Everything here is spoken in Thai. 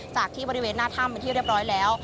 จากที่บริเวณหน้าถ้ำเป็นที่เรียบร้อยแล้ว